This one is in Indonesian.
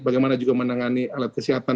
bagaimana juga menangani alat kesehatan